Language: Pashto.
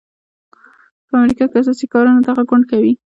په امریکا کې اساسي کارونه دغه ګوند کوي.